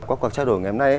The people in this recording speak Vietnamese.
qua cuộc trao đổi ngày hôm nay